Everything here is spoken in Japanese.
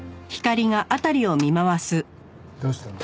どうしたの？